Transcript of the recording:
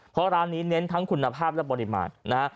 เพราะร้านนี้เน้นทั้งคุณภาพและปริมาณนะฮะ